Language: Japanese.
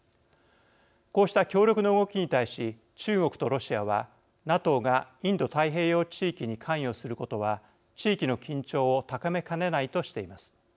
こうした協力の動きに対し中国とロシアはＮＡＴＯがインド太平洋地域に関与することは地域の緊張を高めかねないとしています。